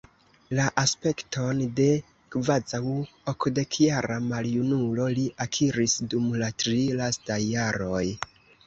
La aspekton de kvazaŭ okdekjara maljunulo li akiris dum la tri lastaj jaroj.